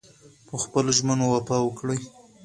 پخپلو ژمنو وفا وکړئ.